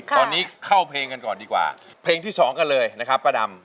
ตอนนี้เข้าเพลงกันก่อนดีกว่าเพลงที่๒กันเลยนะครับป้าดำ